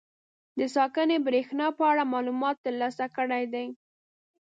د ساکنې برېښنا په اړه معلومات تر لاسه کړي دي.